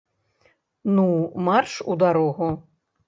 Ну, марш у дарогу!